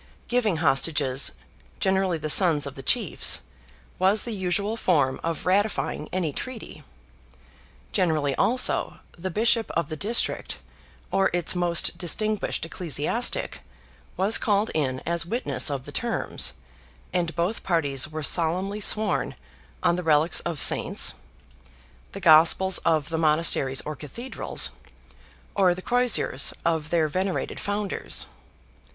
Giving hostages—generally the sons of the chiefs—was the usual form of ratifying any treaty. Generally also, the Bishop of the district, or its most distinguished ecclesiastic, was called in as witness of the terms, and both parties were solemnly sworn on the relics of Saints—the Gospels of the Monasteries or Cathedrals—or the croziers of their venerated founders.